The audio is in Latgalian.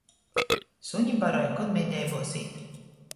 Suni baroj, kod medeibuos īt.